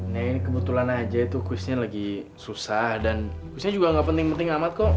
nah ini kebetulan aja itu kuisnya lagi susah dan kuisnya juga gak penting penting amat kok